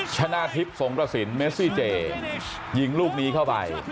ชนะทิพย์สงกระสินเมซี่เจยิงลูกนี้เข้าไป